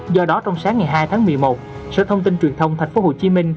do đó trong sáng ngày hai tháng một mươi một sở thông tin truyền thông tp hcm